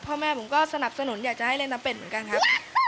พ่อแม่ผมก็สนับสนุนอยากจะให้เล่นน้ำเป็ดเหมือนกันครับ